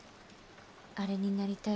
あれになりたい